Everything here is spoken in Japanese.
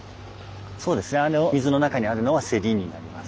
そうですねあの水の中にあるのはセリになります。